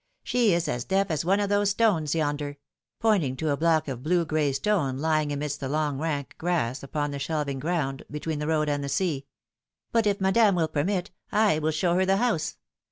She is as deaf as one of those stones yonder," pointing to a block of blue gray stone lying amidst the long rank grass upon the shelv ing ground between the road and the sea ;" but if madame will permit, / will show her the house.